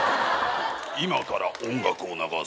今から音楽を流す。